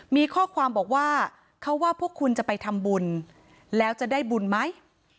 มีข้อความบอกว่าเขาว่าพวกคุณจะไปทำบุญแล้วจะได้บุญไหม